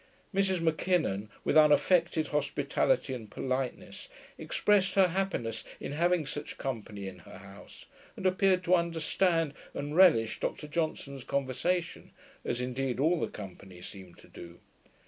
Mrs M'Kinnon, with unaffected hospitality and politeness, expressed her happiness in having such company in her house, and appeared to understand and relish Dr Johnson's conversation, as indeed all the company seemed to do.